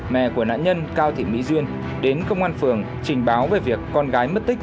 mẹ của nạn nhân cao thị mỹ duyên đến công an phường trình báo về việc con gái mất tích